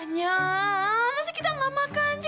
nyah masih kita gak makan sih